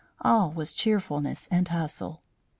All was cheerfulness and hustle.